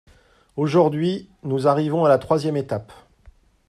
Aujourd’hui, nous arrivons à la troisième étape.